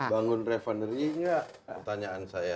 bangun refundary nggak pertanyaan saya